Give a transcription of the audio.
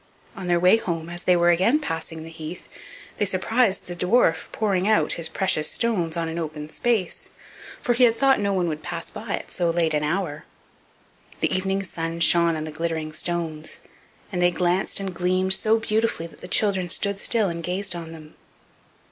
On their way home, as they were again passing the heath, they surprised the dwarf pouring out his precious stones on an open space, for he had thought no one would pass by at so late an hour. The evening sun shone on the glittering stones, and they glanced and gleamed so beautifully that the children stood still and gazed on them.